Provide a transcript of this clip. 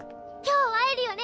今日会えるよね？